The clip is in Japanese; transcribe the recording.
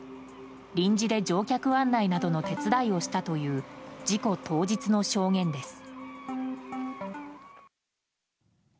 臨時で乗客案内などの手伝いをしたという事故当日の証言です。